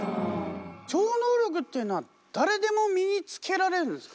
超能力っていうのは誰でも身につけられるんですか？